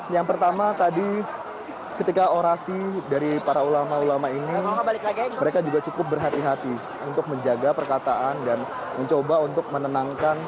yang pertama tadi ketika orasi dari para ulama ulama ini mereka juga cukup berhati hati untuk menjaga perkataan dan mencoba untuk menenangkan